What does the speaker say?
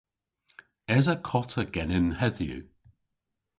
Esa kota genen hedhyw?